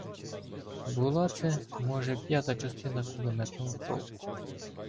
Була це, може, п’ята частина кулеметного полку.